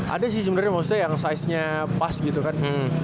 ada sih sebenernya yang saiznya pas gitu kan